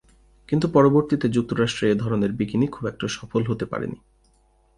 কিন্তু পরবর্তীতে যুক্তরাষ্ট্রে এ ধরনের বিকিনি খুব একটা সফল হতে পারে নি।